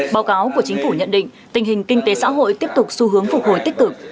báo cáo của chính phủ nhận định tình hình kinh tế xã hội tiếp tục xu hướng phục hồi tích cực